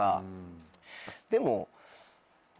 でも。